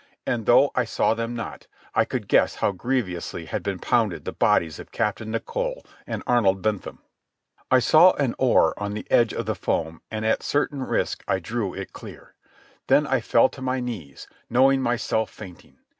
And though I saw them not, I could guess how grievously had been pounded the bodies of Captain Nicholl and Arnold Bentham. I saw an oar on the edge of the foam, and at certain risk I drew it clear. Then I fell to my knees, knowing myself fainting.